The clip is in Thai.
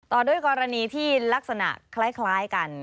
ต่อด้วยกรณีที่ลักษณะคล้ายกัน